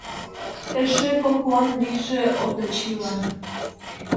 Эше поклон лийже Овдачилан.